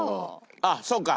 あっそうか。